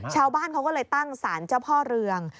ชาวบ้านเขาก็เลยตั้งสารเจ้าพ่อเรือง